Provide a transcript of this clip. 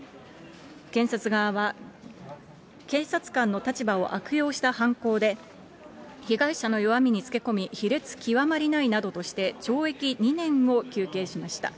検察側は、警察官の立場を悪用した犯行で、被害者の弱みにつけ込み、ひれつきわまりないなどとして懲役２年を求刑しました。